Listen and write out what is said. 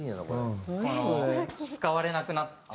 この使われなくなった。